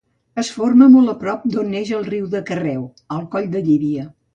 Es forma molt a prop d'on neix el riu de Carreu: al coll de Llívia.